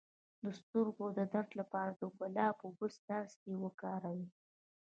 د سترګو د درد لپاره د ګلاب او اوبو څاڅکي وکاروئ